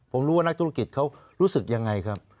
ผมรู้ว่านักธุรกิจเขารู้สึกยังไงครับ